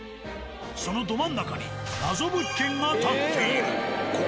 そのど真ん中に謎物件が建っている。